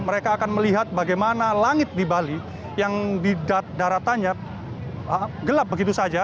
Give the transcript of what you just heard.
mereka akan melihat bagaimana langit di bali yang di daratannya gelap begitu saja